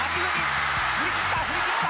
振り切った振り切った。